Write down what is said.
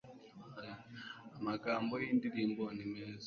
amagambo yindirimbo ni meza